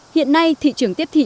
hiện nay thị trường tiếp thị